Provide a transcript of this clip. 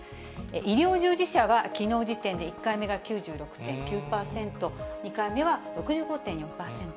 医療従事者は、きのう時点で１回目が９６．９％、２回目は６５．４％。